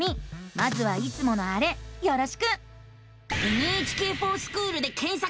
まずはいつものあれよろしく！